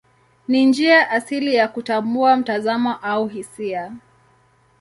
Ni njia asili ya kutambua mtazamo au hisia.